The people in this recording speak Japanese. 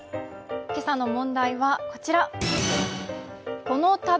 今朝の問題はこちら。